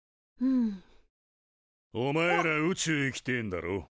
おまえら宇宙行きてえんだろ？